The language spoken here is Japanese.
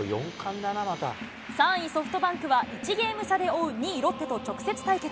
３位ソフトバンクは、１ゲーム差で追う２位ロッテと直接対決。